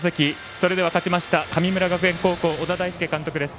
それでは勝ちました神村学園高校、小田大介監督です。